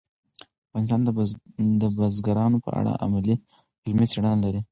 افغانستان د بزګانو په اړه علمي څېړنې لري.